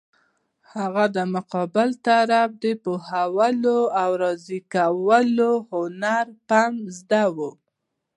هغه د مقابل طرف د پوهولو او راضي کولو هنر او فن زده وو.